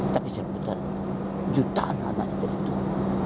tapi saya punya jutaan anak intelektual